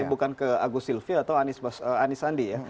bukan ke agus silvia atau anies andi ya